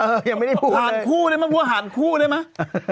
เออยังไม่ได้พูดเลยห่านคู่เลยมั้ยพูดว่าห่านคู่เลยมั้ย